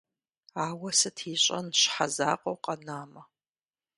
Ауэ сыт ищӀэн щхьэ закъуэу къэнамэ?